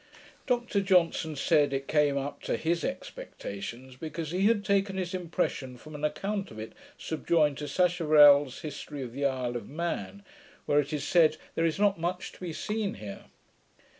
Dr Johnson said, it came up to his expectations, because he had taken his impression from an account of it subjoined to Sacheverel's History of the Isle of Man, where it is said, there is not much to be seen here.